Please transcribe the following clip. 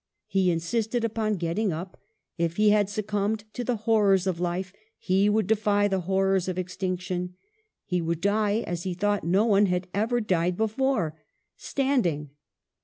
He insisted upon getting up ; if he had succumbed to the horrors of life he would defy the horrors of ex tinction ; he would die as he thought no one had ever died before, standing.